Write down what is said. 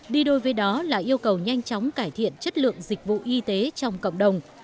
đi đôi với đó là yêu cầu nhanh chóng cải thiện chất lượng dịch vụ y tế trong cộng đồng